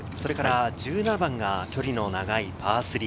１７番が距離の長いパー３。。